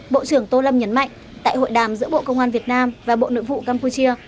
bộ trưởng tô lâm nhấn mạnh tại hội đàm giữa bộ công an việt nam và bộ nội vụ campuchia